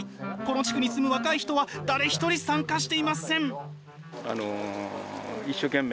この地区に住む若い人は誰一人参加していません。